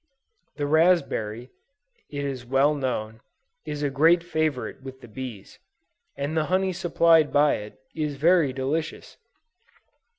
The raspberry, it is well known, is a great favorite with the bees; and the honey supplied by it, is very delicious.